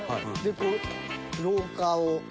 こう廊下を。